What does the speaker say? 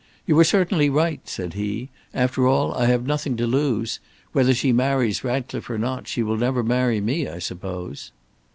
"You are certainly right," said he; "after all, I have nothing to lose. Whether she marries Ratcliffe or not, she will never marry me, I suppose."